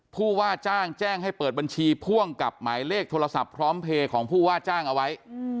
ผู้ว่าจ้างแจ้งให้เปิดบัญชีพ่วงกับหมายเลขโทรศัพท์พร้อมเพลย์ของผู้ว่าจ้างเอาไว้